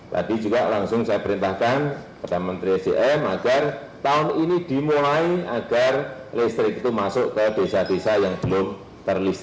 tadi juga langsung saya perintahkan kepada menteri sdm agar tahun ini dimulai agar listrik itu masuk ke desa desa yang belum terlistrikan